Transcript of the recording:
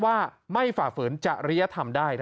ว่าไม่ฝ่าฝืนจริยธรรมได้